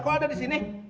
kok ada di sini